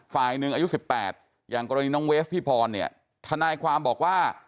ฝ่ายหนึ่งอายุ๑๘อย่างกรณีน้องเวฟพี่พรเนี่ยทนายความบอกว่า